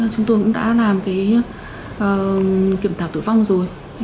chúng tôi cũng đã làm kiểm tạo tử vong rồi